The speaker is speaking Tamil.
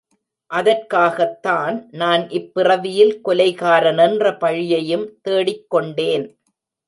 அதற்காகத்தான் நான் இப் பிறவியில் கொலைகாரனென்ற பழியையும் தேடிக் கொண்டேன்.